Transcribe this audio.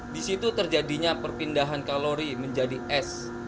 di situ terjadinya perpindahan kalori menjadi es